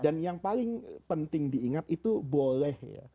dan yang paling penting diingat itu boleh